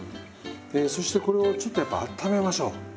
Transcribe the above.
えそしてこれをちょっとやっぱあっためましょう。